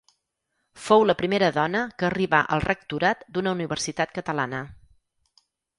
Fou la primera dona que arribà al Rectorat d'una universitat catalana.